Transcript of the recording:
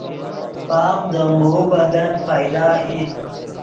پام دے موؤ بدن پیدا ای